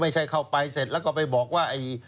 เข้าไปเสร็จแล้วก็ไปบอกว่า